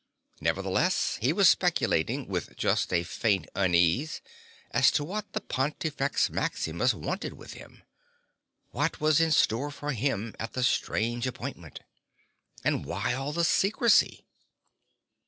Nevertheless, he was speculating with just a faint unease as to what the Pontifex Maximus wanted with him. What was in store for him at the strange appointment? And why all the secrecy?